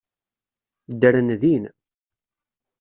Ddren din.